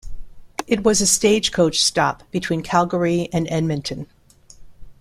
It was a stagecoach stop between Calgary and Edmonton.